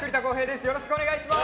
よろしくお願いします。